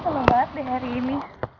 aku seneng banget deh hari ini